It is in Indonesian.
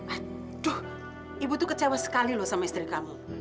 aduh ibu tuh kecewa sekali loh sama istri kamu